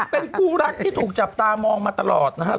เป็นคู่รักที่ถูกจับตามองมาตลอดนะครับ